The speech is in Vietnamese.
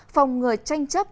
phòng ngừa tranh chấp